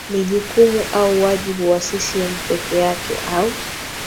ni jukumu au wajibu wa ccm pekee yake au